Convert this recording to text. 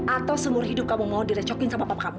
atau seumur hidup kamu mau direcokin sama papa kamu